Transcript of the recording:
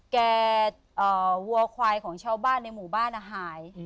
วัวควายของชาวบ้านในหมู่บ้านหาย